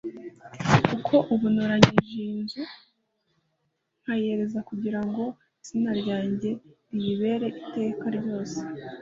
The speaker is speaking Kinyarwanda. kuko ubu ntoranije iyi nzu nkayereza kugira ngo izina ryanjye riyiberemo iteka ryose